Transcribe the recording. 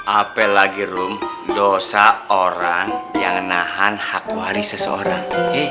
apalagi rom dosa orang yang nahan hak waris seseorang